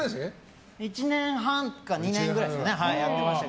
１年半から２年ぐらいやってました。